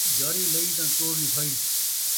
یاری لئی تاں توڑ نبھائی